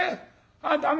ああ駄目